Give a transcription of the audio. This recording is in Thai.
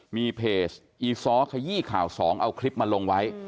มีเพจอีซ้อขยี้ข่าวสองเอาคลิปมาลงไว้